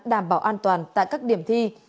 đảm bảo an toàn tại các điểm thi